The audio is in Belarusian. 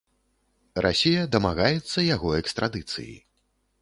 Расія дамагаецца яго экстрадыцыі.